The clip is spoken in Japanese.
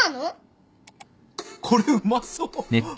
これうまそう。